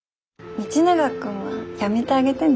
道永君はやめてあげてね。